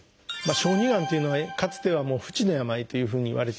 小児がんというのはかつては不治の病というふうにいわれていました。